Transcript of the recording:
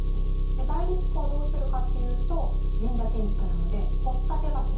内裏地区はどうするかっていうと神社建築なので掘立柱。